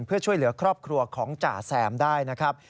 เพื่อช่วยเหลือครอบครัวของจ่าแซมได้นะครับ